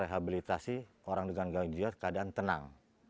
merehabilitasi orang dengan gejala jiwa keadaan tenang